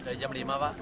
dari jam lima pak